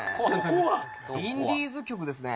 インディーズ曲ですね。